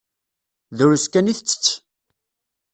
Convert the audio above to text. Drus kan i tettett.